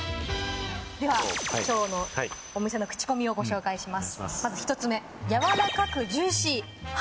では、きょうのお店のクチコミを紹介します。